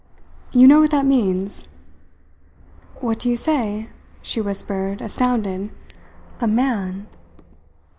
You know what that means?" "What do you say?" she whispered, astounded. "A man!"